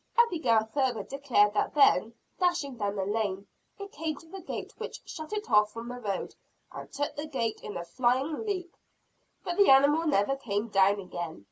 Abigail further declared that then, dashing down the lane it came to the gate which shut it off from the road, and took the gate in a flying leap. But the animal never came down again.